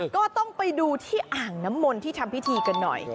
ก็ต้องไปดูที่อ่างน้ำมนที่ทำพิธีกันหน่อย